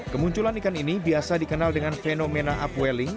kemunculan ikan ini biasa dikenal dengan fenomena upwelling